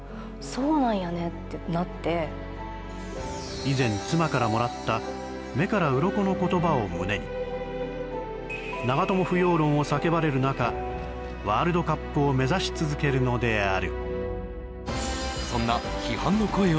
以前妻からもらった目からうろこの言葉を胸に長友不要論を叫ばれる中ワールドカップを目指し続けるのである。